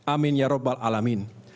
amin ya rabbal alamin